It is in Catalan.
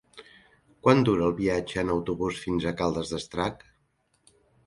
Quant dura el viatge en autobús fins a Caldes d'Estrac?